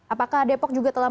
apakah depok juga telah